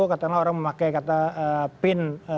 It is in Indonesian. katakanlah orang memakai kata pin